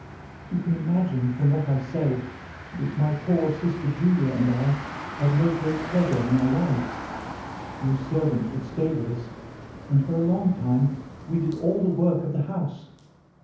"You can imagine from what I say that my poor sister Julia and I had no great pleasure in our lives. No servant would stay with us, and for a long time we did all the work of the house.